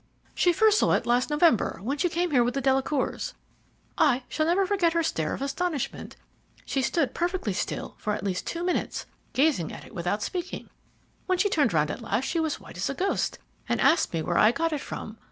"She first saw it last November, when she came here with the Delacours. I shall never forget her stare of astonishment. She stood perfectly still for at least two minutes, gazing at it without speaking. When she turned round at last she was as white as a ghost, and asked me where I got it from.